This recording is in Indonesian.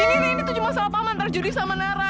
ini cuma salah paham antara judi sama nala